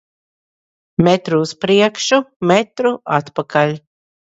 Metru uz priekšu, metru atpakaļ.